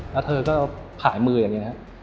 แล้วเธอก็ผ่ายมืออย่างนี้ครับ